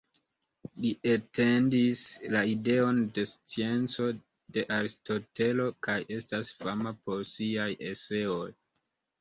Li etendis la ideon de scienco de Aristotelo kaj estas fama pro siaj eseoj.